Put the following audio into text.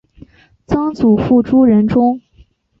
曾祖父朱仁仲。